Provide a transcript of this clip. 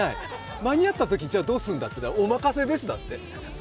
間に合ったときどうすんだと言ったらお任せですだって。